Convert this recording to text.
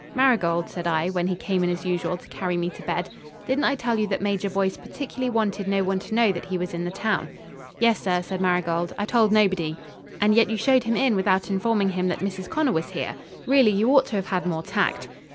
"Marigold," said I, when he came in as usual to carry me to bed, "didn't I tell you that Major Boyce particularly wanted no one to know that he was in the town?" "Yes, sir," said Marigold. "I've told nobody." "And yet you showed him in without informing him that Mrs. Connor was here. Really you ought to have had more tact."